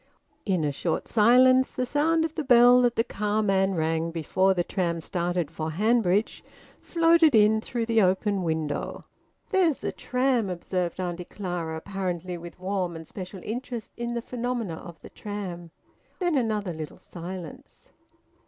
In a short silence the sound of the bell that the carman rang before the tram started for Hanbridge floated in through the open window. "There's the tram!" observed Auntie Clara, apparently with warm and special interest in the phenomena of the tram. Then another little silence.